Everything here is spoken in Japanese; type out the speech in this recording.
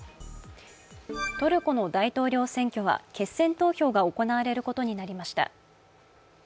トルコの大統領選挙は決選投票が行われることになりました。